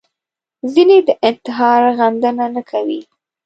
ځینې د انتحار غندنه نه کوي